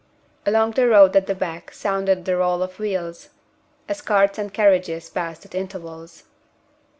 Along the road at the back sounded the roll of wheels, as carts and carriages passed at intervals.